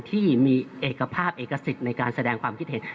ที่มีเอกภาพเอกสิทธิ์ในการแสดงความคิดเห็น